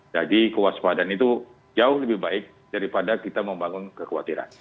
jadi kewaspadaan itu jauh lebih baik daripada kita membangun kekhawatiran